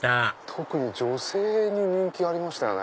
特に女性に人気がありましたよね。